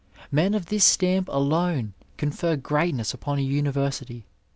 Men of this stamp alone confer greatness upon a university.